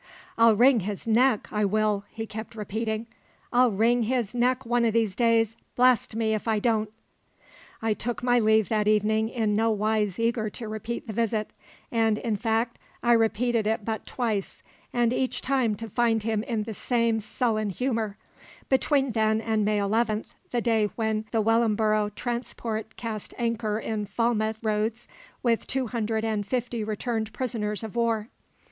"I'll wring his neck, I will!" he kept repeating. "I'll wring his neck one o' these days, blast me if I don't!" I took my leave that evening in no wise eager to repeat the visit; and, in fact, I repeated it but twice and each time to find him in the same sullen humour between then and May 11, the day when the Wellingboro' transport cast anchor in Falmouth roads with two hundred and fifty returned prisoners of war.